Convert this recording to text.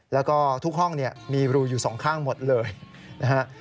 แล้วก็ทุกห้องเนี่ยมีรูอยู่สองข้างหมดเลยนะฮะ